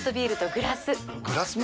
グラスも？